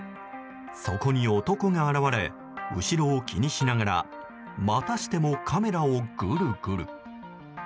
そこに男が現れ後ろを気にしながらまたしてもカメラをぐるぐる。